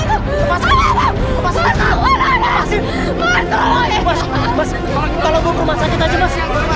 pokoknya sekarang kamu ke rumah sakit kamu temuin eva